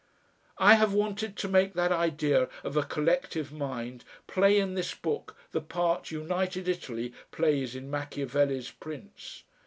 I have wanted to make that idea of a collective mind play in this book the part United Italy plays in Machiavelli's PRINCE.